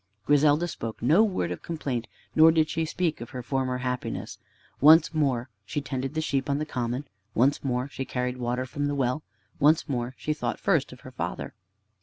Griselda spoke no word of complaint, nor did she speak of her former happiness. Once more she tended the sheep on the common. Once more she carried water from the well. Once more she thought first of her father.